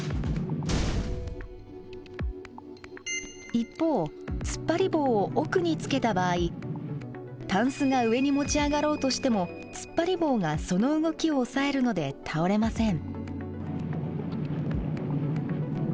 一方つっぱり棒を奥につけた場合タンスが上に持ち上がろうとしてもつっぱり棒がその動きを押さえるので倒れません。